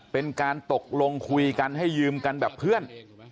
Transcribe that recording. เป็นการตกลงคุยกันให้ยืมกันแบบเพื่อน